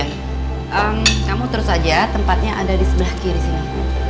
hmm kamu terus aja tempatnya ada di sebelah kiri sini